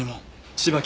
芝木